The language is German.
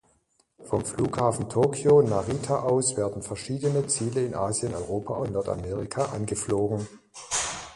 Vom Flughafen Tokio-Narita aus werden verschiedene Ziele in Asien, Europa und Nordamerika angeflogen.